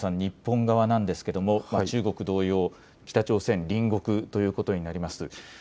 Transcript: そして徳丸さん、日本側なんですが中国同様、北朝鮮隣国ということになります。